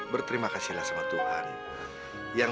berterima kasihlah sama tuhan